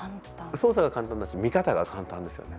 操作が簡単だし見方が簡単ですよね。